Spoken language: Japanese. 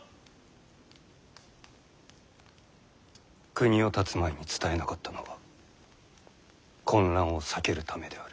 国をたつ前に伝えなかったのは混乱を避けるためである。